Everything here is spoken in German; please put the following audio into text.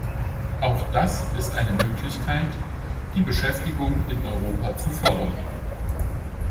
Auch das ist eine Möglichkeit, die Beschäftigung in Europa zu fördern.